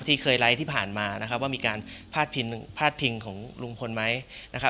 ที่เคยไลค์ที่ผ่านมานะครับว่ามีการพาดพิพาดพิงของลุงพลไหมนะครับ